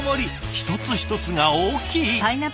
一つ一つが大きい！